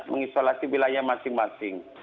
mengisolasi wilayah masing masing